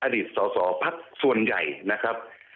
อดีตสอพรรคส่วนใหญ่นะครับ